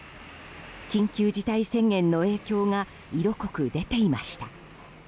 緊急事態宣言の影響が色濃く出ていました。